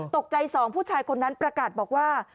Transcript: สองผู้ชายคนนั้นประกาศบอกว่า